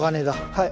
はい。